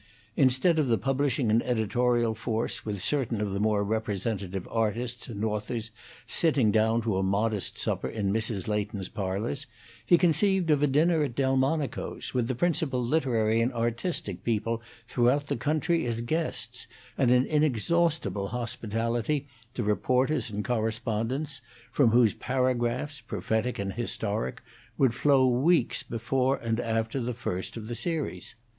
Instead of the publishing and editorial force, with certain of the more representative artists and authors sitting down to a modest supper in Mrs. Leighton's parlors, he conceived of a dinner at Delmonico's, with the principal literary and artistic, people throughout the country as guests, and an inexhaustible hospitality to reporters and correspondents, from whom paragraphs, prophetic and historic, would flow weeks before and after the first of the series.